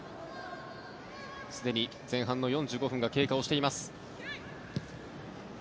すでに前半の４５分が経過しています。